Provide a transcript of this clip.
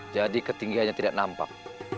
jadi ketinggiannya tidak nampak